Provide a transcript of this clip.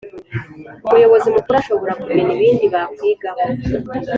Umuyobozi Mukuru ashobora kugena ibindi bakwigaho